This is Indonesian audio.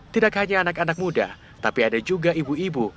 tidak hanya anak anak muda tapi ada juga ibu ibu